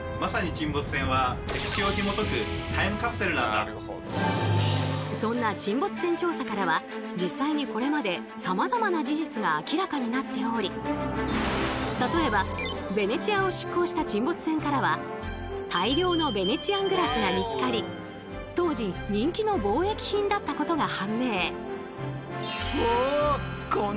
しかもそんな沈没船調査からは実際にこれまでさまざまな事実が明らかになっており例えばベネチアを出航した沈没船からは大量のベネチアングラスが見つかり当時人気の貿易品だったことが判明。